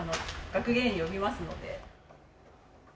学芸員呼びますので。